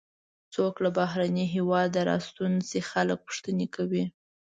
څوک له بهرني هېواده راستون شي خلک پوښتنې کوي.